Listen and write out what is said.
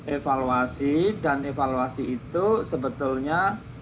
evaluasi dan evaluasi itu sebetulnya